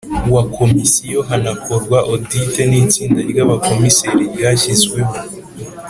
wa Komisiyo hanakorwa Audit n itsinda ry abakomiseri ryashyizweho